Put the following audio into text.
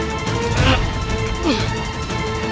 aku tidak tahu